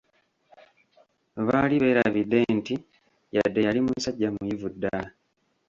Baali beerabidde nti yadde yali musajja muyivu ddala!